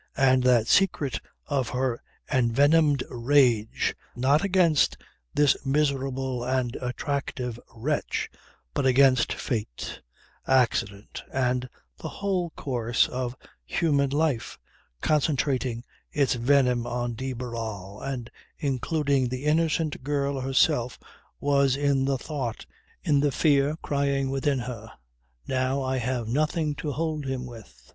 And that the secret of her envenomed rage, not against this miserable and attractive wretch, but against fate, accident and the whole course of human life, concentrating its venom on de Barral and including the innocent girl herself, was in the thought, in the fear crying within her "Now I have nothing to hold him with